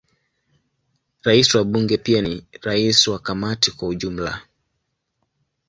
Rais wa Bunge pia ni rais wa Kamati kwa ujumla.